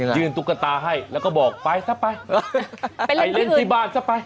ยังไงยื่นตุ๊กตาให้แล้วก็บอกไปซะไปไปเล่นที่อื่นไปเล่นที่บ้านซะไป